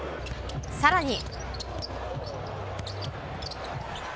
さらに。